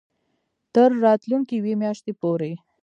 تر راتلونکې یوې میاشتې پورې